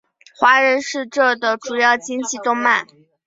华人是这的主要经济动脉。